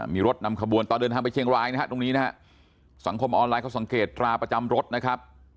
มีรถนำขบวนตอนเดินทางไปเชียงรายนะฮะตรงนี้นะฮะสังคมออนไลน์เขาสังเกตตราประจำรถนะครับ